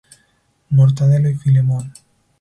Mortadelo y Filemón.